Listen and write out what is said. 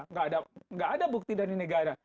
nggak ada bukti dari negara